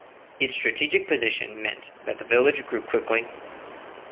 Its strategic position meant that the village grew quickly.